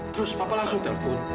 terus papa langsung telepon